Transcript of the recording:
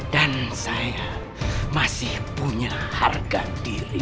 dan saya masih punya harga diri